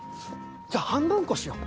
じゃあ半分こしよう。